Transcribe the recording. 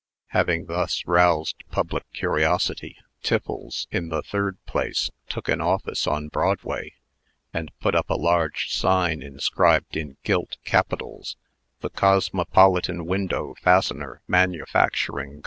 Having thus roused public curiosity, Tiffles, in the third place, took an office on Broadway, and put up a large sign inscribed in gilt capitals, "The Cosmopolitan Window Fastener Manufacturing Co."